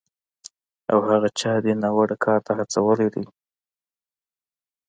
او هغه چا دې ناوړه کار ته هڅولی دی